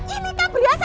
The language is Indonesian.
ini kan belian saya